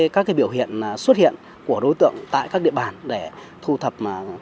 các biểu hiện xuất hiện của đối tượng tại các địa bàn để thu thập